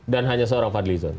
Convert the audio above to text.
dan hanya seorang fadlizon